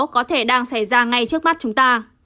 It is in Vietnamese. có thể đang xảy ra ngay trước mắt chúng ta